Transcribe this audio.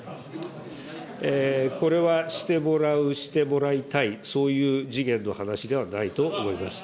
これはしてもらう、してもらいたい、そういう次元の話ではないと思います。